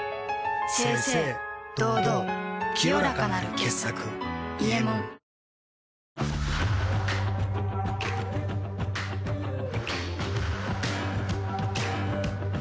清々堂々清らかなる傑作「伊右衛門」酸辣湯